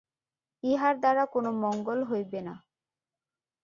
ইহার দ্বারা কোন মঙ্গল হইবে না।